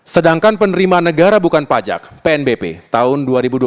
sedangkan penerima negara bukan pajak tahun dua ribu dua puluh tiga